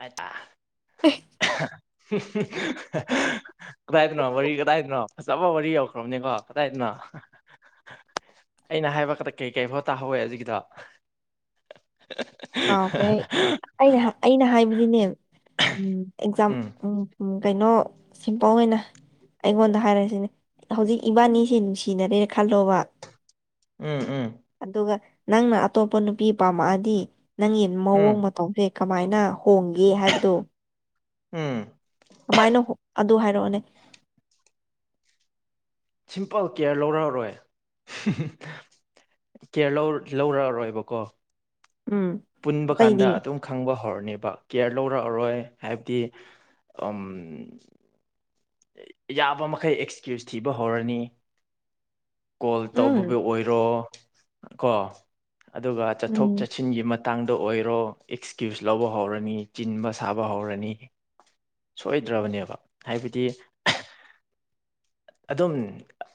ꯑ ꯀꯗꯥꯏꯗꯅꯣ ꯋꯥꯔꯤ ꯀꯗꯥꯏꯗꯅꯣ ꯐꯖꯕ ꯋꯥꯔꯤ ꯌꯧꯈ꯭ꯔꯕꯅꯤ ꯀꯣ ꯀꯗꯥꯏꯗꯅꯣ ꯑ ꯑꯩꯅ ꯍꯥꯏꯕ ꯈꯗ ꯀꯩꯀꯩ ꯐꯥꯎ ꯇꯥꯍꯧꯋꯦ ꯍꯧꯒꯤꯗ ꯑꯈꯦ ꯑꯩꯅ ꯑꯩꯅ ꯍꯥꯏ ꯅꯦ ꯎꯝ ꯑꯦꯛꯖꯥꯝ ꯎꯝ ꯀꯩꯅꯣ ꯁꯤꯝꯄꯜ ꯑꯣꯏꯅ ꯑꯩꯉꯣꯟꯗ ꯍꯥꯏꯔꯁꯤꯅꯦ ꯍꯧꯖꯤꯛ ꯏꯕꯥꯅꯤꯁꯦ ꯅꯨꯡꯁꯤꯅꯔꯦ ꯈꯜꯂꯣꯕ ꯎꯝ ꯎꯝ ꯑꯗꯨꯒ ꯅꯪꯅ ꯑꯇꯣꯞꯄ ꯅꯨꯄꯤ ꯄꯥꯝꯃꯛꯑꯗꯤ ꯅꯪꯒꯤ ꯎꯝ ꯃꯑꯣꯡ ꯃꯇꯧꯁꯦ ꯀꯃꯥꯏꯅ ꯍꯣꯡꯒꯦ ꯍꯥꯏꯕꯗꯣ ꯎꯝ ꯀꯃꯥꯏꯅ ꯑꯗꯨ ꯍꯥꯏꯔꯛꯑꯣꯅꯦ ꯁꯤꯝꯄꯜ ꯀꯦꯌꯔ ꯂꯧꯔꯛꯑꯔꯣꯏ ꯀꯦꯌꯔ ꯂꯧꯔꯛꯑꯔꯣꯏꯕꯀꯣ ꯎꯝ ꯄꯨꯟꯕ ꯑꯇꯩꯗꯤ ꯀꯥꯟꯗ ꯑꯗꯨꯝ ꯈꯪꯕ ꯍꯧ ꯍꯧꯔꯅꯦꯕ ꯀꯦꯌꯔ ꯂꯧꯔꯛꯑꯔꯣꯏ ꯍꯥꯏꯕꯗꯤ ꯌꯥꯕ ꯃꯈꯩ ꯑꯦꯛꯁꯀ꯭ꯌꯨꯁ ꯊꯤꯕ ꯍꯧꯔꯅꯤ ꯀꯣꯜ ꯎꯝ ꯇꯧꯕꯕꯨ ꯑꯣꯏꯔꯣ ꯀꯣ ꯑꯗꯨꯒ ꯎꯝ ꯆꯠꯊꯣꯛ ꯆꯠꯁꯤꯟꯒꯤ ꯃꯇꯥꯡꯗ ꯑꯣꯏꯔꯣ ꯑꯦꯛꯁꯀ꯭ꯌꯨꯁ ꯂꯧꯕ ꯍꯧꯔꯅꯤ ꯆꯤꯟꯕ ꯁꯥꯕ ꯍꯧꯔꯅꯤ ꯁꯣꯏꯗ꯭ꯔꯕꯅꯦꯕ ꯍꯥꯏꯕꯗꯤ ꯑꯗꯨꯝ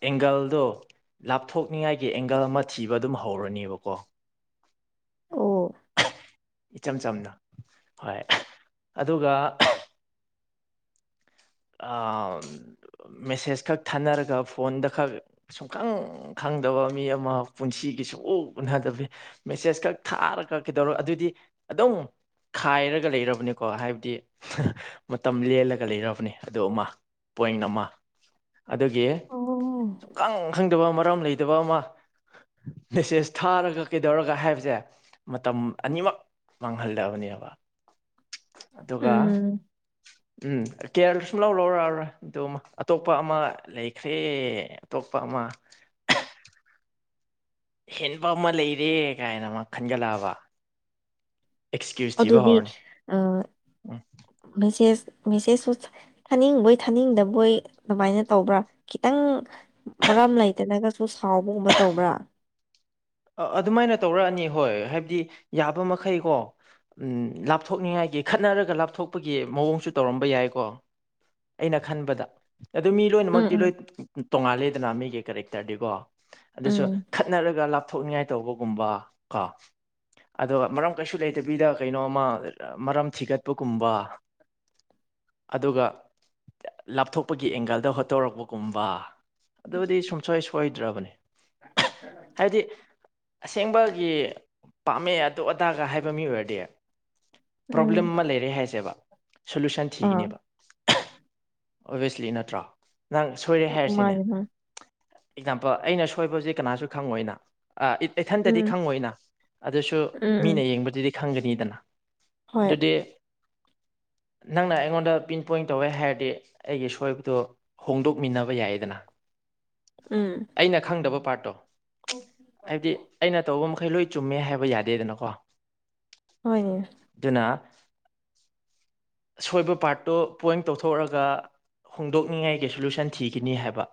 ꯑꯦꯡꯒꯜꯗꯣ ꯂꯥꯞꯊꯣꯛꯅꯤꯡꯉꯥꯏꯒꯤ ꯑꯦꯡꯒꯜ ꯑꯃ ꯊꯤꯕ ꯑꯗꯨꯝ ꯍꯧꯔꯅꯦꯕꯀꯣ ꯑꯣ ꯏꯆꯝ ꯆꯝꯅ ꯍꯣꯏ ꯑꯗꯨꯒ ꯑ ꯃꯦꯁꯦꯁ ꯈꯛ ꯊꯥꯅꯔꯒ ꯐꯣꯟꯗ ꯈꯛ ꯁꯨꯡꯈꯪ ꯈꯪꯗꯕ ꯃꯤ ꯑꯃ ꯄꯨꯟꯁꯤ ꯁꯨꯡ ꯎꯅꯗꯕ ꯃꯦꯁꯦꯁ ꯈꯛ ꯊꯥꯔ ꯀꯛꯈꯤꯗꯧꯔ ꯑꯗꯨꯗꯤ ꯑꯗꯨꯝ ꯈꯥꯏꯔꯒ ꯂꯩꯔꯕꯅꯤꯀꯣ ꯍꯥꯏꯕꯗꯤ ꯃꯇꯝ ꯂꯦꯜꯂꯒ ꯂꯩꯔꯕꯅꯤ ꯑꯗꯨ ꯑꯃ ꯄꯣꯏꯟ ꯑꯃ ꯑꯗꯨꯗꯒꯤ ꯑꯣ ꯁꯨꯝꯈꯪ ꯈꯪꯗꯕ ꯀꯔꯝ ꯂꯩꯇꯕ ꯑꯃ ꯃꯦꯁꯦꯁ ꯊꯥꯔꯒ ꯀꯩꯗꯧꯔꯒ ꯍꯥꯏꯕꯁꯦ ꯃꯇꯝ ꯑꯅꯤꯃꯛ ꯃꯥꯡꯍꯜꯗꯕꯅꯤ ꯍꯥꯏꯕ ꯎꯝ ꯎꯝ ꯀꯦꯔ ꯁꯨꯝ ꯂꯧꯔꯥꯎꯔ ꯂꯧꯥꯎꯔ ꯑꯗꯨ ꯑꯇꯣꯞꯄ ꯑꯃ ꯂꯩꯈ꯭ꯔꯦ ꯑꯇꯣꯞꯄ ꯑꯃ [inaudible] ꯍꯦꯟꯕ ꯑꯃ ꯂꯩꯔꯦ ꯀꯥꯏꯅ ꯑꯃ ꯈꯟꯖꯤꯜꯂꯛꯑꯕ ꯑꯗꯨꯗꯤ ꯑ ꯎꯝ ꯃꯁꯦ ꯃꯦꯁꯦꯖꯁꯨ ꯊꯥꯅꯤꯡꯕꯣꯏ ꯊꯥꯅꯤꯡꯗꯕꯣꯏ ꯑꯗꯨꯃꯥꯏꯅ ꯇꯧꯕ꯭ꯔꯥ ꯈꯤꯇꯪ ꯃꯔꯝ ꯂꯩꯇꯅꯒꯁꯨ ꯁꯥꯎꯕꯒꯨꯝꯕ ꯇꯧꯕ꯭ꯔꯥ ꯑꯗꯨꯃꯥꯏꯅ ꯇꯧꯔꯛꯑꯅꯤ ꯍꯣꯏ ꯍꯥꯏꯕꯗꯤ ꯌꯥꯕ ꯃꯈꯩꯀꯣ ꯂꯥꯞꯊꯣꯛꯅꯤꯡꯉꯥꯏ ꯒꯤ ꯈꯠꯅꯔꯒ ꯂꯥꯞꯊꯣꯛꯄꯒꯤ ꯃꯑꯣꯡꯁꯨ ꯇꯧꯔꯝꯕ ꯌꯥꯏꯀꯣ ꯑꯩꯅ ꯈꯟꯕꯗ ꯑꯗꯨ ꯃꯤ ꯎꯝ ꯂꯣꯏꯅꯃꯛꯇꯤ ꯂꯣꯏ ꯎꯝ ꯇꯣꯉꯥꯂꯦꯗꯅ ꯃꯤꯒꯤ ꯀꯦꯔꯦꯛꯇꯔꯗꯤꯀꯣ ꯑꯗꯨꯁꯨ ꯎꯝ ꯈꯠꯅꯔꯒ ꯂꯥꯞꯊꯣꯛꯅꯤꯡꯉꯥꯏ ꯇꯧꯕꯒꯨꯝꯕ ꯀꯣ ꯑꯗ ꯃꯔꯝ ꯀꯩꯁꯨ ꯂꯩꯇꯕꯤꯗ ꯀꯩꯅꯣꯃ ꯃꯔꯝ ꯊꯤꯒꯠꯄꯒꯨꯝꯕ ꯑꯗꯨꯒ ꯂꯥꯞꯊꯣꯛꯄꯒꯤ ꯑꯦꯡꯒꯜꯗ ꯍꯣꯠꯇꯣꯔꯛꯄꯒꯨꯝꯕ ꯑꯗꯨꯕꯨꯗꯤ ꯁꯨꯡꯁꯣꯏ ꯁꯣꯏꯗ꯭ꯔꯕꯅꯤ ꯑꯁꯦꯡꯕꯒꯤ ꯄꯥꯝꯃꯦ ꯑꯗꯨ ꯑꯗꯥꯒ ꯍꯥꯏꯕ ꯃꯤ ꯑꯣꯏꯔꯗꯤ ꯄ꯭ꯔꯣꯕ꯭ꯂꯦꯝ ꯎꯝ ꯑꯃ ꯂꯩꯔꯦ ꯍꯥꯏꯁꯦꯕ ꯁꯣꯂꯨꯁꯟ ꯑꯥ ꯊꯤꯈꯤꯅꯦꯕ ꯑꯣꯚꯁꯂꯤ ꯅꯠꯇ꯭ꯔꯣ ꯅꯪ ꯁꯣꯏꯔꯦ ꯍꯥꯏꯔꯁꯤꯅꯦ ꯃꯥꯅꯦ ꯃꯥꯅꯦ ꯑꯦꯛꯖꯥꯝꯄꯜ ꯑꯩꯅ ꯁꯣꯏꯕꯕꯁꯤ ꯀꯅꯥꯁꯨ ꯈꯪꯉꯣꯏꯅ ꯏꯊꯟꯇꯗꯤ ꯎꯝ ꯈꯪꯉꯣꯏꯅ ꯑꯗꯨꯁꯨ ꯎꯝ ꯎꯝ ꯃꯤꯅ ꯌꯦꯡꯕꯗꯨꯗꯤ ꯈꯪꯒꯅꯤꯗꯅ ꯍꯣꯏ ꯑꯗꯨꯗꯤ ꯅꯪꯅ ꯑꯩꯉꯣꯟꯗ ꯄꯤꯟ ꯄꯣꯏꯟ ꯇꯧꯋꯦ ꯍꯥꯏꯔꯗꯤ ꯑꯩꯒꯤ ꯁꯣꯏꯕꯗ ꯍꯣꯡꯗꯣꯛꯃꯤꯟꯅꯕ ꯌꯥꯏꯌꯦꯗꯅ ꯎꯝ ꯑꯩꯅ ꯈꯪꯗꯕ ꯄꯥꯔꯠꯇꯣ ꯍꯥꯏꯕꯗꯤ ꯑꯩꯅ ꯇꯧꯕ ꯃꯈꯩ ꯂꯣꯏ ꯆꯨꯝꯃꯦ ꯍꯥꯏꯕ ꯌꯥꯗꯦꯗꯅꯀꯣ ꯍꯣꯏꯅꯦ ꯑꯗꯨꯅ ꯁꯣꯏꯕ ꯄꯥꯔꯠꯇꯣ ꯄꯣꯏꯟ ꯇꯧꯊꯣꯛꯑꯒ ꯍꯣꯡꯗꯣꯛꯅꯤꯡꯉꯥꯏꯒꯤ ꯁꯣꯂꯨꯁꯟ ꯊꯤꯈꯤꯅꯤ ꯍꯥꯏꯕ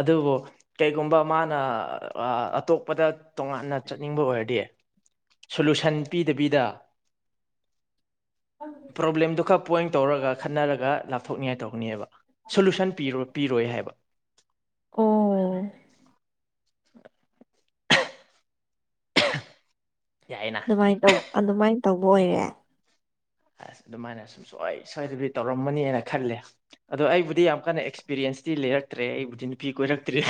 ꯑꯗꯨꯕꯨ ꯀꯩꯒꯨꯝꯕ ꯃꯥꯅ ꯑꯇꯣꯞ ꯆꯄꯗ ꯇꯣꯉꯥꯟꯅ ꯆꯠꯅꯤꯡꯕ ꯑꯣꯏꯔꯗꯤ ꯁꯣꯂꯨꯁꯟ ꯄꯤꯗꯕꯤꯗ ꯄ꯭ꯔꯣꯕ꯭ꯂꯦꯝꯗꯨ ꯈꯔ ꯄꯣꯏꯟ ꯇꯧꯔꯒ ꯈꯠꯅꯔꯒ ꯂꯥꯞꯊꯣꯛꯅꯤꯡꯉꯥꯏ ꯇꯧꯅꯤꯅꯦꯕ ꯁꯣꯂꯨꯁꯟ ꯄ ꯄꯤꯔꯣꯏ ꯍꯥꯏ ꯑꯣ ꯍ ꯌꯥꯏꯅ ꯑꯗꯨꯃꯥꯏꯅ ꯇ ꯑꯗꯨꯃꯥꯏꯅ ꯇꯧꯕ ꯑꯣꯏꯔꯦ ꯑ ꯑꯗꯨꯃꯥꯏꯅ ꯁꯨꯡꯁꯣꯏ ꯁ꯭ꯣꯏꯗꯕꯤ ꯇꯧꯔꯝꯃꯅꯤꯅ ꯈꯜꯂꯦ ꯑꯗꯣ ꯑꯩꯕꯨꯗꯤ ꯌꯥꯝ ꯀꯟꯅ ꯑꯦꯛꯁꯄꯤꯔꯤꯦꯟꯁꯇꯤ ꯂꯩꯔ ꯆꯠꯇ꯭ꯔꯦ ꯑꯩꯕꯨꯗꯤ ꯅꯨꯄꯤ ꯀꯣꯏꯔꯛꯇ꯭ꯔꯦ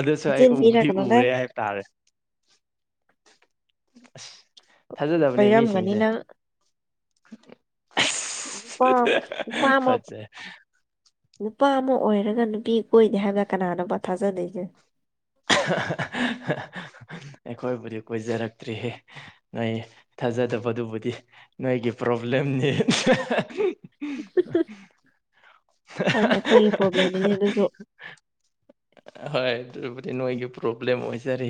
ꯑꯗꯨꯁꯨ ꯑꯩ ꯅꯆꯤꯟ ꯎꯕꯨꯗꯤ ꯊꯤꯔꯛꯀꯅꯣꯗ ꯎꯔꯦ ꯍꯥꯏ ꯇꯥꯔꯦ ꯑꯁ ꯊꯥꯖꯗꯕꯅꯦ ꯑꯣꯏꯔꯝꯒꯅꯤ ꯃꯤꯁꯤꯡꯁꯦ ꯅꯪ ꯎ ꯑ ꯑꯁ ꯐꯃ ꯐꯠꯖꯩ ꯅꯨꯄꯥ ꯑꯃ ꯑꯣꯏꯔꯒ ꯅꯨꯄꯤ ꯀꯣꯏꯗꯦ ꯍꯥꯏꯕꯒ ꯀꯅꯥꯅꯅꯕ ꯊꯥꯖꯗꯣꯏꯁꯦ ꯑꯩꯈꯣꯏꯕꯨꯗꯤ ꯀꯣꯏꯖꯔꯛꯇ꯭ꯔꯤꯍꯦ ꯅꯣꯏ ꯊꯥꯖꯗꯕꯗꯨꯕꯨꯗꯤ ꯅꯣꯏꯒꯤ ꯄ꯭ꯔꯣꯕ꯭ꯂꯦꯝꯅꯤ ꯍꯣꯏꯅꯦ ꯑꯩꯈꯣꯏꯒꯤ ꯄ꯭ꯔꯣꯕ꯭ꯂꯦꯝꯅꯤꯅꯦ ꯑꯗꯨꯁꯨ ꯑꯗꯤ ꯅꯣꯏꯒꯤ ꯄ꯭ꯔꯣꯕ꯭ꯂꯦꯝ ꯑꯣꯏꯖꯔꯤ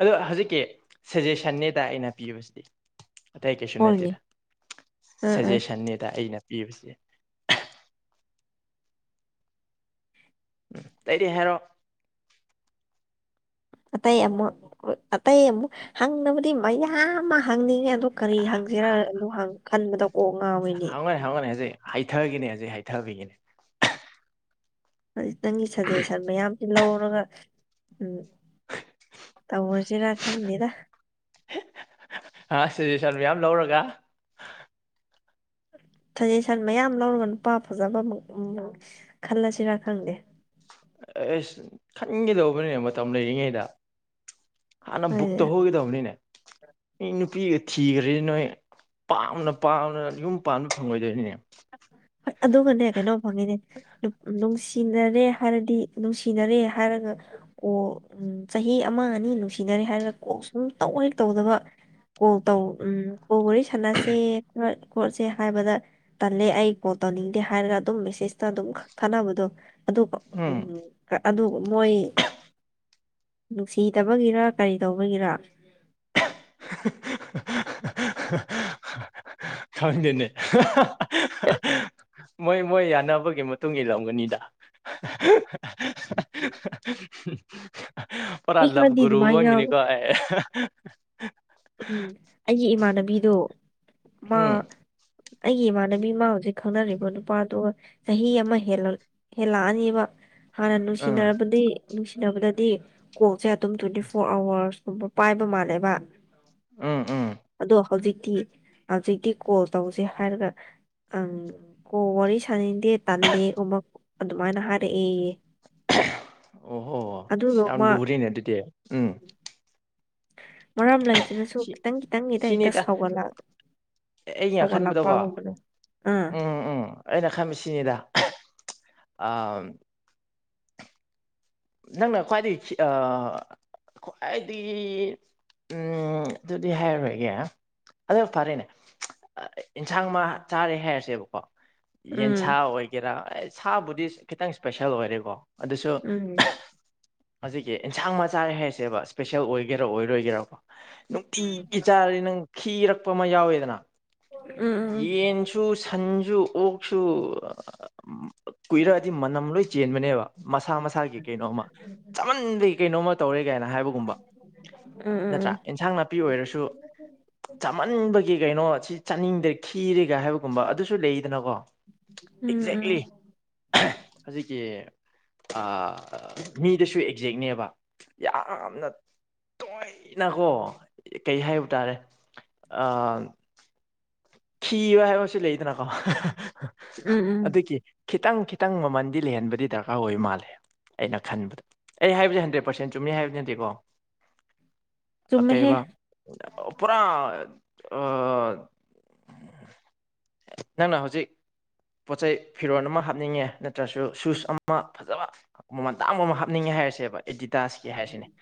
ꯑꯗꯣ ꯍꯧꯖꯤꯛꯀꯤ ꯁꯖꯦꯁꯟꯅꯦꯗ ꯑꯩꯅ ꯄꯤꯕꯁꯤꯗꯤ ꯑꯇꯩ ꯀꯩꯁꯨ ꯍꯣꯏꯅꯦ ꯅꯠꯇꯦꯗ ꯑꯥ ꯑꯥ ꯁꯖꯦꯁꯟꯅꯤꯗ ꯑꯩꯩꯅ ꯄꯁ [inaudible] [unintelligible] ꯇꯩꯗꯤ ꯍꯥꯏꯦꯔꯣ ꯑꯇꯩ ꯑꯃꯨꯛ ꯑꯇꯩ ꯑꯃꯨꯛ ꯍꯪꯕꯨꯗꯤ ꯃꯌꯥꯝ ꯍꯪꯅꯤꯡꯉꯦ ꯑꯣ ꯀꯔꯤ ꯍꯪꯁꯤꯦꯔ ꯑꯗꯨ ꯈꯟꯕꯗ ꯀꯣꯛ ꯉꯥꯎꯔꯤꯅꯦ ꯍꯥꯏꯊꯒꯤꯅꯦ ꯍꯧꯖꯤꯛ ꯍꯥꯏꯊꯕꯤꯒꯤꯅꯦ ꯍꯧꯖꯤꯛꯇꯪꯒꯤ ꯁꯖꯦꯁꯟ ꯃꯌꯥꯝꯁꯤꯦ ꯂꯧꯔꯒ ꯎꯝ ꯇꯕꯨꯔꯁꯤ ꯔ ꯈꯪꯅꯤꯗ ꯑꯁ ꯁꯖꯦꯁꯟ ꯃꯌꯥꯝ ꯂꯧꯔꯒ ꯁꯖꯦꯁꯟ ꯃꯌꯥꯝ ꯂꯧꯔꯒ ꯅꯨꯄꯥ ꯐꯖꯕꯨꯛ ꯈꯜꯂꯁꯤꯔꯥ ꯈꯪꯗꯦ ꯑꯦꯁ ꯈꯪꯒꯗꯧꯕꯅꯤ ꯃꯇꯝ ꯂꯩꯔꯤꯉꯩꯗ ꯍꯥꯟꯅ ꯍꯣꯏ ꯕꯨꯛ ꯇꯧꯍꯧꯒꯗꯕꯅꯤꯅꯦ ꯏ ꯅꯨꯄꯤꯒ ꯊꯤꯈ꯭ꯔꯦ ꯅꯣꯏ ꯄꯥꯝꯅ ꯄꯥꯝꯅ ꯌꯨꯝ ꯄꯥꯟꯅ ꯐꯪꯉꯣꯏꯗꯣꯏꯅꯤꯅꯦ ꯍꯣꯏ ꯑꯗꯨꯒꯅꯦ ꯀꯩꯅꯣ ꯐꯪꯉꯤꯅꯦ ꯅꯨꯡꯁꯤꯅꯔꯦ ꯍꯥꯏꯔꯗꯤ ꯅꯨꯡꯁꯤꯅꯔꯦ ꯍꯥꯏꯔꯒ ꯑꯣ ꯎ ꯆꯍꯤ ꯃꯤ ꯑꯃ ꯑꯅꯤ ꯅꯨꯡꯁꯤꯟꯅꯔꯦ ꯍꯥꯏꯔꯒ ꯀꯣꯛ ꯁꯨꯝ ꯇꯧ ꯍ ꯇꯧꯗꯕ ꯀꯣ ꯇꯧ ꯎꯝ ꯀꯣꯜ ꯋꯥꯔꯤ ꯁꯥꯟꯅꯁꯦ ꯈꯣꯠꯁꯦ ꯍꯥꯏꯕꯗ ꯇꯜꯂꯦ ꯑꯩ ꯀꯣꯜ ꯇꯧꯅꯤꯡꯗꯦ ꯍꯥꯏꯔꯒ ꯑꯗꯨꯝ ꯃꯦꯁꯦꯖꯇ ꯑꯗꯨꯝ ꯈ ꯊꯥꯅꯕꯗꯣ ꯑꯗꯨꯒ ꯎꯝ ꯑꯗꯨ ꯃꯣꯏ ꯅꯨꯡꯁꯤꯗꯕꯒꯤꯔ ꯀꯔꯤ ꯇꯧꯕꯒꯤꯔ ꯐꯪꯗꯦꯅꯦ [unintelligible] [inaudible] ꯃꯣꯏ ꯃꯣꯏ ꯌꯥꯅꯕꯒꯤ ꯃꯇꯨꯡ ꯏ ꯂꯧꯒꯅꯤꯗ ꯄꯨ ꯃꯤ ꯈꯔꯗꯤ ꯑꯜꯂꯕꯒꯨꯔꯨ ꯑꯗꯨꯃꯥꯏꯅ ꯑꯅꯤ ꯌꯥꯎꯋꯦ ꯀ ꯎꯝ ꯑꯩꯒꯤ ꯏꯃꯥꯟꯅꯕꯤꯗꯣ ꯃꯥ ꯎꯝ ꯑꯩꯌꯦ ꯃꯥꯅꯕꯤꯃ ꯍꯧꯖꯤꯛ ꯈꯪꯅꯔꯤꯕ ꯅꯨꯄꯥꯗꯨ ꯆꯍꯤ ꯑꯃ ꯍꯦꯜꯂꯛꯑꯅꯤꯕ ꯍꯥꯟꯅ ꯎꯝ ꯅꯨꯡꯁꯤꯅꯔꯕꯗꯤ ꯅꯨꯡꯁꯤꯅꯕꯗꯗꯤ ꯀꯣꯛꯁꯦ ꯑꯗꯨꯝ ꯇ꯭ꯋꯦꯟꯇꯤ ꯐꯣꯔ ꯑꯋꯔꯁ ꯎ ꯄꯥꯏꯕ ꯃꯥꯜꯂꯦꯕ ꯎꯝ ꯎꯝ [inaudible] ꯑꯗꯣ ꯍꯧꯖꯤꯛꯇꯤ ꯍꯧꯖꯤꯛꯇꯤ ꯀꯣꯜ ꯇꯧꯁꯦ ꯍꯥꯏꯔꯒ ꯑ ꯀꯣ ꯋꯥꯔꯤ ꯁꯥꯟꯅ ꯦ ꯇꯜꯂꯦ ꯎꯨꯛ ꯑꯗꯨꯃꯥꯏꯅ ꯍꯥꯏꯔꯛꯑꯦꯌꯦ ꯑꯣ ꯍꯣ ꯑꯗꯨꯗꯣ ꯌꯥꯝ ꯌꯥꯝ ꯃꯥ ꯚꯔꯤꯅꯦ ꯑꯗꯨꯗꯤ ꯎꯝ ꯃꯔꯝ ꯂꯩꯇꯅꯁꯨ ꯁꯤ ꯈꯤꯇꯪ ꯈꯤꯇꯪꯒꯤꯗ ꯍꯦꯛꯇ ꯁꯥꯎꯒꯠꯂꯛꯑꯒꯦ ꯑꯦ ꯑꯩ ꯉ ꯈꯟꯕꯗꯣꯀꯣ ꯑꯥ ꯎꯝꯝ ꯎꯝ ꯑꯩꯅ ꯈꯟꯃꯤ ꯁꯤꯅꯤꯗ ꯑ [inaudible] ꯅꯪꯅ ꯈ꯭ꯋꯥꯏꯗꯒꯤ ꯈ꯭ꯋꯥꯏꯗꯒꯤ ꯎꯝ ꯑꯗꯨꯗꯤ ꯍꯥꯏꯔꯔꯣꯏꯒꯦ ꯑꯗꯨ ꯐꯔꯦꯅꯦ ꯑꯦꯟꯁꯥꯡ ꯃꯥ ꯆꯥꯔꯦ ꯍꯥꯏꯔꯁꯦꯕꯀꯣ ꯌꯦꯟꯁꯥ ꯎꯝ ꯑꯣꯏꯒꯦꯔꯥ ꯁꯥꯕꯨꯗꯤ ꯈꯤꯇꯪ ꯏꯁꯄꯦꯁꯦꯜ ꯑꯣꯏꯔꯦꯀꯣ ꯑꯗꯨꯁꯨ ꯍ [inaudible] ꯍꯧꯖꯤꯛꯀꯤ ꯑꯦꯟꯁꯥꯡ ꯃꯆꯥ ꯍꯥꯏꯁꯦꯕ ꯏꯁꯄꯦꯁꯦꯜ ꯑꯣꯏꯒꯦꯔꯥ ꯑꯣꯏꯔꯣꯏꯒꯦꯔꯥꯀꯣ ꯎꯝ ꯅꯨꯡꯇꯤꯒꯤ ꯆꯥꯔꯗꯤ ꯅꯪ ꯤꯔꯛꯄ ꯑꯃ ꯌꯥꯎꯋꯦꯗꯅ ꯎꯝ ꯎꯝ ꯌꯦꯟꯁꯨ ꯁꯟꯖꯨ ꯑꯣ ꯀꯨꯏꯔꯛꯑꯗꯤ ꯃꯅꯝ ꯂꯣꯏ ꯆꯦꯟꯕꯅꯦꯕ ꯃꯁꯥ ꯃ ꯀꯩꯅꯣꯃ ꯆꯃꯟꯗꯦ ꯀꯩꯅꯣꯝꯃ ꯇꯧꯔꯦ ꯀꯥꯏꯅ ꯍꯥꯏꯕꯒꯨꯝꯕ ꯎꯝ ꯅꯠꯇ꯭ꯔꯥ ꯎꯝ ꯏꯟꯁꯥꯡ ꯅꯥꯄꯤ ꯑꯣꯏꯔꯁꯨ ꯆꯥꯃꯟꯕꯒꯤ ꯀꯩꯅꯣ ꯁꯤ ꯆꯥꯅꯤꯡꯗ꯭ꯔ ꯈꯤꯔꯦꯒ ꯍꯥꯏꯕꯒꯨꯝꯕ ꯑꯗꯨꯁꯨ ꯂꯩꯗꯅꯀꯣ ꯎꯝ ꯑꯦꯛꯖꯦꯛꯂꯤ ꯎꯝ ꯍꯧꯖꯤꯛꯀꯤ ꯃꯤꯗꯁꯨ ꯑꯦꯛꯖꯦꯛꯅꯦꯕ ꯌꯥꯝꯅ ꯇꯣꯏꯅꯀꯣ ꯀꯩ ꯍꯥꯏꯕ ꯇꯥꯔꯦ ꯑ ꯐꯤꯕ ꯍꯥꯏꯕꯁꯨ ꯂꯩꯗꯅꯀꯣ ꯎꯝ ꯎꯝ ꯑꯗꯨꯒꯤ ꯈꯤꯇꯪ ꯈꯤꯇꯪ ꯃꯃꯟꯗꯤ ꯂꯩꯍꯟꯕꯗꯤ ꯗꯔꯀꯥꯔ ꯑꯣꯏ ꯃꯥꯜꯂꯦ ꯑꯩꯅ ꯈꯟꯕꯗ ꯑꯩ ꯍꯥꯏꯕꯁꯦ ꯍꯟꯗ꯭ꯔꯦꯠ ꯄꯥꯔꯁꯦꯟ ꯆꯨꯝꯃꯦ ꯍꯥꯏꯕ ꯅꯠꯇꯦꯀꯣ ꯆꯨꯝꯃꯦꯍꯦ ꯑꯇꯩꯕ ꯄꯨꯔꯥ ꯑ ꯅꯪꯅ ꯍꯧꯖꯤꯛ ꯄꯣꯠꯆꯩ ꯐꯤꯔꯣꯟꯜ ꯑꯃ ꯍꯥꯞꯅꯤꯡꯉꯦ ꯅꯠꯇ꯭ꯔꯁꯨ ꯁꯨꯁ ꯑꯃ ꯐꯖꯕ ꯃꯃꯜ ꯇꯥꯡꯕ ꯑꯃ ꯍꯥꯞꯅꯤꯡꯉꯦ ꯍꯥꯏꯔꯁꯦꯕ ꯑꯦꯗꯤꯗꯥꯁꯀꯤ ꯍꯥꯏꯁꯤꯅꯦ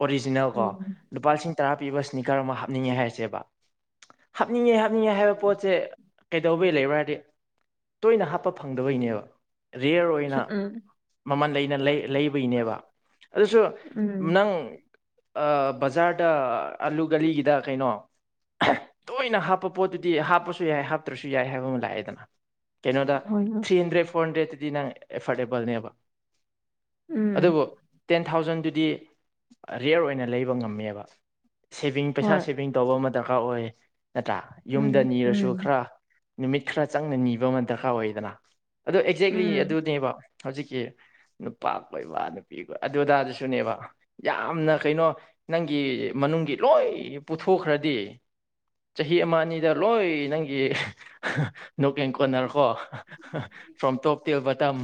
ꯑꯣꯔꯤꯖꯤꯅꯦꯜ ꯀꯣ ꯎꯝ ꯂꯨꯄꯥ ꯂꯤꯁꯤꯡ ꯇꯔꯥ ꯄꯤꯕ ꯏꯁ꯭ꯅꯤꯀꯔ ꯑꯃ ꯍꯥꯞꯅꯤꯡꯉꯦ ꯍꯥꯏꯁꯦꯕ ꯍꯥꯞꯅꯤꯡꯉꯦ ꯆꯅꯤꯡꯉꯦ ꯍꯥꯏꯕ ꯄꯣꯠꯁꯦ ꯀꯩꯗꯧꯕꯩ ꯂꯩꯕ꯭ꯔꯥꯗꯤ ꯇꯣꯏꯅ ꯍꯥꯞꯄ ꯐꯪꯗꯕꯩꯅꯦꯕ ꯔꯤꯌꯔ ꯑꯣꯏꯅ ꯎꯝ ꯃꯃꯟ ꯂꯩꯩꯅ ꯂꯩꯕꯒꯤꯅꯦꯕ ꯑꯗꯨꯁꯨ ꯎꯝ ꯅꯪ ꯕꯖꯥꯔꯗ ꯑꯂꯨ ꯒꯂꯤꯒꯤꯗ ꯀꯩꯅꯣ ꯇꯣꯏꯅ ꯍꯥꯞꯄ ꯄꯣꯠꯇꯨꯗꯤ ꯍꯥꯞꯄꯁꯨ ꯌꯥꯏ ꯍꯥꯞꯇ꯭ꯔꯁꯨ ꯌꯥꯏ ꯍꯥꯏꯕ ꯑꯃ ꯂꯥꯛꯑꯦꯗꯅ ꯀꯩꯅꯣꯗ ꯍꯣꯏ ꯊ꯭ꯔꯤ ꯍꯟꯗ꯭ꯔꯦꯠ ꯐꯣꯔ ꯍꯟꯗ꯭ꯔꯦꯠꯇꯇꯗꯤ ꯅꯪ ꯑꯦꯐꯣꯔꯗꯦꯕꯜꯅꯦꯕ ꯎꯝ ꯑꯗꯨꯕꯨ ꯇꯦꯟ ꯊꯥꯎꯖꯟꯗꯨꯗꯤ ꯦꯌꯔ ꯑꯣꯏꯅ ꯂꯩꯕ ꯉꯝꯃꯦꯕ ꯁꯦꯚꯤꯡ ꯄꯩꯁꯥ ꯍꯣꯏ ꯁꯦꯚꯤꯡ ꯇꯧꯕ ꯑꯃ ꯗꯔꯀꯥꯔ ꯑꯣꯏ ꯅꯠꯇ꯭ꯔꯥ ꯎꯝ ꯌꯨꯝꯗ ꯅꯤꯔꯁꯨ ꯎꯝ ꯈꯔ ꯅꯨꯃꯤꯠ ꯈꯔ ꯆꯪꯅ ꯅꯤꯕ ꯑꯃ ꯗꯔꯀꯥꯔ ꯑꯣꯏꯌꯦꯗꯅ ꯑꯗꯣ ꯑꯦꯛꯖꯦꯛꯂꯤ ꯎꯝ ꯑꯗꯨꯅꯦꯕ ꯍꯧꯖꯤꯛꯀꯤ ꯅꯨꯄꯥ ꯀꯣꯏꯕ ꯅꯨꯄꯤꯣꯏꯕ ꯑꯗꯨꯗꯥꯗꯨꯁꯨꯅꯦꯕ ꯌꯥꯝꯅ ꯀꯩꯅꯣ ꯅꯪꯒꯤ ꯃꯅꯨꯡꯒꯤ ꯂꯣꯏ ꯄꯨꯊꯣꯛꯈ꯭ꯔꯗꯤ ꯆꯍꯤ ꯑꯃ ꯑꯅꯤꯗ ꯂꯣꯏ ꯅꯪꯒꯤ ꯅꯣꯛꯀꯦꯟ ꯀꯣꯟꯅꯔꯀꯣ ꯐ꯭ꯔꯣꯝ ꯇꯣꯞ ꯇꯦꯜꯕ ꯃꯇꯝꯝ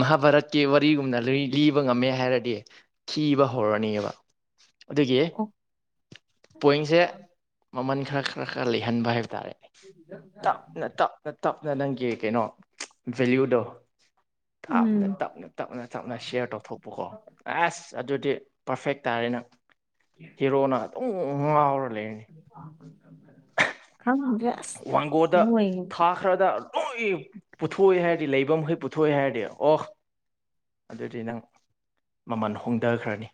ꯃꯍꯥꯚꯥꯔꯠꯀꯤ ꯋꯥꯔꯤꯒꯨꯝꯅ ꯂꯤꯕ ꯉꯝꯃꯦ ꯍꯥꯏꯔꯗꯤ ꯊꯤꯕ ꯍꯧꯔꯅꯤꯑꯕ ꯑꯗꯨꯒꯤ ꯑꯣ ꯄꯣꯏꯤꯡꯁꯦ ꯃꯃꯟ ꯈꯔ ꯈꯔ ꯈꯔ ꯂꯩꯍꯟꯕ ꯍꯥꯏꯕ ꯍꯥꯏꯇꯥꯔꯦ ꯇꯞꯅ ꯇꯞꯅ ꯇꯞꯅ ꯅꯪꯒꯤ ꯀꯩꯅꯣ ꯚꯦꯂꯨꯗꯣ ꯞꯅ ꯎꯝ ꯇꯞꯅ ꯇꯞꯅ ꯇꯞꯅ ꯁꯤꯌꯥꯔ ꯇꯧꯊꯣꯛꯄꯀꯣ ꯑꯁ ꯑꯗꯨꯗꯤ ꯄꯔꯐꯦꯛ ꯇꯥꯔꯦꯅ ꯍꯦꯔꯣꯅ ꯑꯗꯨꯝ ꯉꯥꯎꯔ ꯂꯩꯔꯅꯤ ꯀ ꯋꯥꯡꯒꯣꯗ ꯊꯥꯈ꯭ꯔꯗ ꯂꯣꯏ ꯄꯨꯊꯣꯛꯑꯦ ꯍꯥꯏꯔꯗꯤ ꯂꯩꯐꯝꯈꯩ ꯄꯨꯊꯣꯛꯑꯦ ꯍꯥꯏꯔꯗꯤ ꯑꯣ ꯑꯗꯨꯗꯤ ꯅꯪ ꯃꯃꯜ ꯍꯣꯡꯊꯈ꯭ꯔꯅꯤ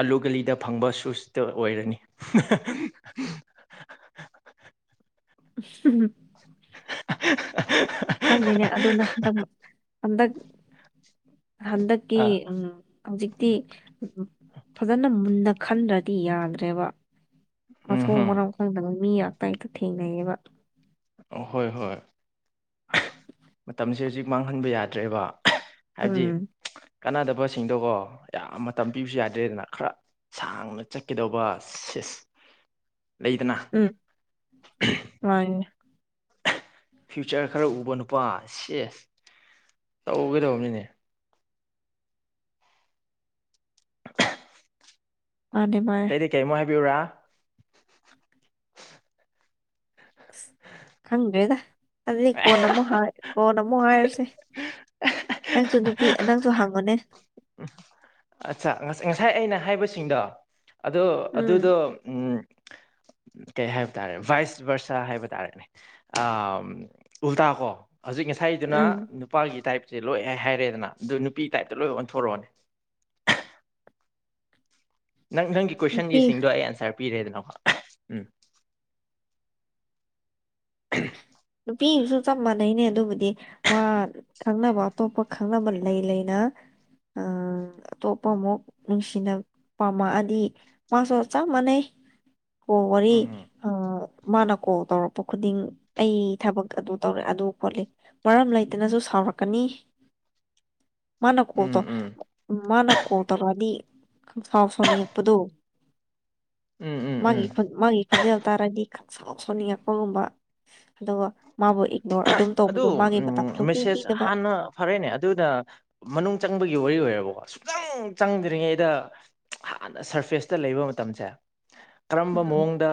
ꯑꯂꯨ ꯒꯂꯤꯗ ꯐꯪꯕ ꯁꯨꯁꯇ ꯑꯣꯏꯔꯅꯤ [unintelligible] [unintelligible] [unintelligible] ꯍꯪꯅꯤꯦꯅꯦ ꯑꯗꯨꯅ ꯍꯟꯗꯛ ꯍꯟꯗꯛ ꯍꯟꯗꯛꯀꯤ ꯑ ꯎꯝ ꯍꯧꯖꯤꯛꯇꯤ ꯐꯖꯅ ꯃꯨꯟꯅ ꯈꯟꯗ꯭ꯔꯗꯤ ꯌꯥꯗ꯭ꯔꯦꯕ ꯎꯝ ꯃꯊꯣꯡ ꯍꯝ ꯃꯔꯥꯡ ꯀꯥꯏ ꯃꯔ ꯃꯤ ꯑ ꯏ ꯊꯦꯡꯅꯌꯦꯕ ꯑ ꯍꯣꯏ ꯍꯣꯏ ꯃꯇꯝꯁꯦ ꯍꯧꯖꯤꯛ ꯃꯥꯡꯍꯟꯕ ꯌꯥꯗ꯭ꯔꯦꯕ ꯎꯝ ꯀꯥꯟꯅꯗꯕꯁꯤꯡꯗꯣꯒꯣ ꯌꯥꯝ ꯃꯇꯝ ꯄꯤꯕꯁꯨ ꯌꯥꯗ꯭ꯔꯦꯗꯅ ꯈꯔ ꯁꯥꯡꯅ ꯆꯠꯀꯗꯧꯕ ꯁꯤꯁ ꯂꯩꯗꯅ ꯎꯝ ꯃꯥꯅꯦ ꯐ꯭ꯌꯨꯆꯔ ꯈꯔ ꯎꯕ ꯅꯨꯄꯥ ꯁꯤꯦꯁ ꯇꯧꯒꯗꯕꯅꯤꯅꯦ ꯃꯥꯅꯦ ꯃꯥꯅꯦ ꯀꯇꯩꯗꯤ ꯀꯩꯃꯣ ꯍꯥꯏꯕꯤꯌꯨꯨꯔꯥ ꯑ ꯈꯪꯗ꯭ꯔꯦꯗ ꯑꯗꯨꯗꯤ ꯀꯣꯟꯅ ꯑꯃꯨꯛ ꯍꯥꯏ ꯀꯣ ꯅ ꯑꯃꯨꯛ ꯍꯥꯏꯔꯁꯦ ꯅꯪꯁꯨ ꯅꯨꯄꯤ ꯅꯪꯁꯨ ꯍꯪꯉꯨꯅꯦ ꯑꯠꯆꯥ ꯉꯁꯥꯏ ꯑꯩꯅ ꯍꯥꯏꯕꯁꯤꯡꯗꯣ ꯑꯗꯣ ꯎꯝ ꯑꯗꯨꯗꯣ ꯎ [unintelligible] ꯀꯩ ꯍꯥꯏꯕ ꯇꯥꯔꯦ ꯚꯥꯏꯁ ꯚꯔꯁꯥ ꯍꯥꯏꯕ ꯇꯥꯔꯦꯅꯦ ꯑ ꯎꯜꯇꯥ ꯀꯣ ꯍꯧꯖꯤꯛ ꯉꯁꯥꯏꯗꯨꯅ ꯎꯝ ꯅꯨꯄꯥꯒꯤ ꯇꯥꯏꯞꯁꯦ ꯂꯣꯏ ꯍꯥꯏ ꯍꯥꯏꯔꯦꯗꯅ ꯑꯗꯨ ꯅꯨꯄꯤ ꯇꯥꯏꯞꯇ ꯂꯣꯏ ꯑꯣꯟꯊꯣꯔꯛꯑꯣꯅꯦ ꯅꯪ ꯅꯪꯒꯤ ꯅꯨꯄꯤ ꯀꯣꯏꯁꯟꯒꯤꯁꯤꯡꯗꯣ ꯑꯩ ꯑꯟꯁꯔ ꯄꯤꯔꯦꯗꯅꯀ ꯎꯝ ꯄꯤꯕꯁꯨ ꯆꯞ ꯃꯥꯟꯅꯩꯅꯦ ꯑꯗꯨꯕꯨꯗꯤ ꯃꯥ ꯈꯪꯅꯕ ꯑꯇꯣꯞꯄ ꯈꯪꯅꯕ ꯂꯩ ꯂꯩꯅ ꯑ ꯇꯣꯄꯃꯣ ꯅꯨꯡꯁꯤꯅ ꯄꯃ ꯑꯗꯤ ꯃꯥ ꯆꯣ ꯆ ꯃꯅꯦ ꯑꯣ ꯋꯥꯔꯤ ꯎꯝ ꯃꯥꯅ ꯀꯣꯜ ꯇꯧꯔꯛꯄ ꯈꯨꯗꯤꯡ ꯑꯩ ꯊꯕꯛ ꯑꯗꯨ ꯇꯧꯔꯦ ꯑꯗꯨ ꯈꯣꯠꯂꯤ ꯃꯔꯝ ꯂꯩꯇꯅꯁꯨ ꯁꯥꯎꯔꯛꯀꯅꯤ [unintelligible] ꯃꯥꯅ ꯎꯝ ꯀꯇ ꯎꯝ ꯃꯥꯅ ꯀꯇꯗꯤ ꯁꯥꯥꯎꯐ ꯁꯣꯅꯤꯄꯗꯣ ꯎꯝ ꯎꯝ ꯃꯥꯒꯤ ꯎꯝ ꯃꯥꯒꯤ ꯈꯣꯟꯖꯦꯜ ꯇꯥꯔꯗꯤ ꯁꯥꯎ ꯁꯣꯟꯅꯤꯡꯉꯛꯄꯒꯨꯝꯕ ꯑꯗꯣ ꯃꯥꯕꯨꯣ ꯑꯗꯨ ꯃꯦꯁꯦꯁ ꯄꯤꯗꯕ ꯍꯥꯟꯅ ꯐꯔꯦꯅꯦ ꯑꯗꯨꯅ ꯃꯅꯨꯡ ꯆꯪꯕꯒꯤ ꯋꯥꯔꯤ ꯑꯣꯏꯔꯕ ꯁꯨꯡꯆꯪ ꯆꯪꯗ꯭ꯔꯤꯉꯩꯗ ꯍꯥꯟꯅ ꯁꯔꯐꯦꯁꯇ ꯂꯩꯕ ꯃꯇꯝꯁꯦ ꯀꯔꯝꯕ ꯎꯝ ꯃꯑꯣꯡꯗ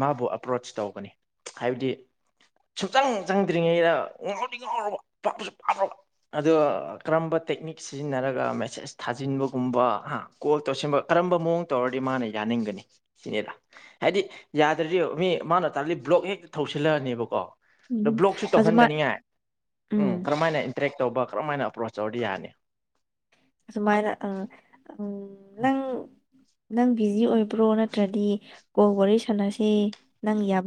ꯃꯥꯕꯨ ꯑꯦꯄ꯭ꯔꯣꯆ ꯇꯧꯒꯅꯤ ꯍꯥꯏꯕꯗꯤ ꯁꯨꯡꯛꯆꯪ ꯆꯪꯗ꯭ꯔꯤꯉꯩꯗ ꯉꯥꯎꯗꯤ ꯉꯥꯎꯔꯕ ꯄꯥꯄꯁꯨ ꯄꯥꯞꯔꯕ ꯑꯗꯣ ꯀꯔꯝꯕ ꯇꯦꯛꯅꯤꯛ ꯁꯤꯖꯤꯟꯅꯔꯒ ꯃꯦꯁꯦꯁ ꯊꯥꯖꯤꯟꯕꯒꯨꯝꯕ ꯀꯣꯜ ꯇꯧꯁꯤꯟꯕ ꯀꯔꯝꯕ ꯃꯑꯣꯡ ꯇꯧꯔꯗꯤ ꯃꯥꯅ ꯌꯥꯅꯤꯡꯒꯅꯤ ꯁꯤꯅꯦꯗ ꯍꯥꯏꯗꯤ ꯌꯥꯗ꯭ꯔꯗꯤ ꯃꯤ ꯃꯥꯅ ꯇꯥꯔꯗꯤ ꯕ꯭ꯂꯣꯛ ꯍꯦꯛ ꯊꯧꯁꯤꯜꯂꯛꯑꯅꯦꯕꯀꯣ ꯑꯗ ꯎꯝ ꯕ꯭ꯂꯣꯛꯁꯨ ꯑꯗꯨꯃꯥꯏ ꯇꯧꯍꯟꯗꯅꯤꯡꯉꯥꯏ ꯎꯝ ꯀꯔꯝ ꯍꯥꯏꯅ ꯏꯟꯇꯔꯦꯛ ꯇꯧꯕ ꯀꯔꯝ ꯍꯥꯏꯅ ꯑꯦꯄ꯭ꯔꯣꯁ ꯆꯔꯤꯤꯍꯅꯤ ꯑꯃꯥꯏꯅ ꯑ ꯎ ꯅꯪ ꯅꯪ ꯕꯤꯖꯤ ꯑꯣꯏꯕ ꯄ꯭ꯔꯣ ꯅꯠꯇ꯭ꯔꯗꯤ ꯀꯣ ꯋꯥꯔꯤ ꯁꯥꯟꯁꯦ ꯅꯪ ꯌꯥꯕ